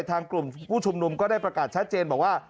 ทางกลุ่มผู้ชุมนุมก็ได้ประกาศชัดเจนบอกว่า